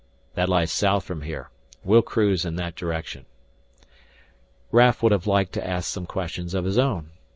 "This lies south from here. We'll cruise in that direction." Raf would have liked to ask some questions of his own.